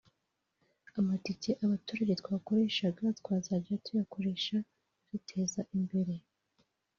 amatike abaturage twakoreshaga twazajya tuyakoresha ibiduteza imbere